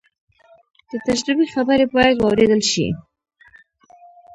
د تجربې خبرې باید واورېدل شي.